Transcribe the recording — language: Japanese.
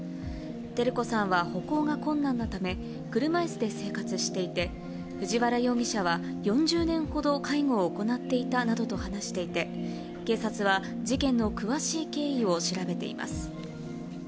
照子さんは歩行が困難なため、車いすで生活していて、藤原容疑者は、４０年ほど、介護を行っていたなどと話していて、警察は、事件の詳しい経緯を調べています。